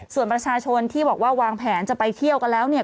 ส่วนประชาชนที่บอกว่าวางแผนจะไปเที่ยวกันแล้วเนี่ย